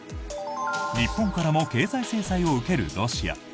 日本からも経済制裁を受けるロシア。